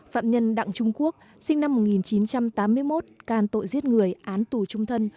phạm nhân đặng trung quốc sinh năm một nghìn chín trăm tám mươi một can tội giết người án tù trung thân